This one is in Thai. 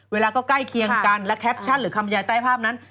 เวลาก็ใกล้เคียงกันและแคปชั่นหรือคำบรรยายใต้ภาพนั้น